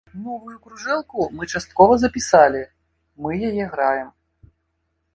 Новую кружэлку мы часткова запісалі, мы яе граем.